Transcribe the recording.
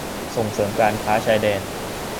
ส่งเสริมการค้าชายแดน